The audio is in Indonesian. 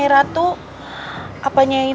tidak ada setelah